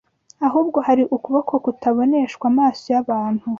Ahubwo hari ukuboko kutaboneshwa amaso y’abantu